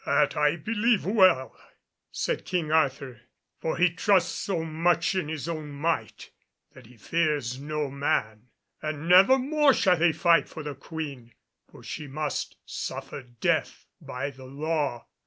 "That I believe well," said King Arthur, "for he trusts so much in his own might that he fears no man; and never more shall he fight for the Queen, for she must suffer death by the law.